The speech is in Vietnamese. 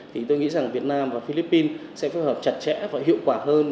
thì tôi nghĩ rằng việt nam và philippines sẽ phối hợp chặt chẽ và hiệu quả hơn